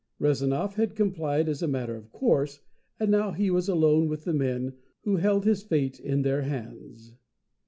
Rezanov had complied as a matter of course, and now he was alone with the men who held his fate in their hands.